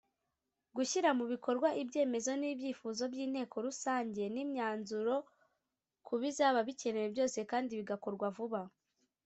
Gushyira mu bikorwa ibyemezo n ibyifuzo by’ Inteko rusange n’imyanzuro kubizaba bikenewe byose kandi bigakorwa vuba.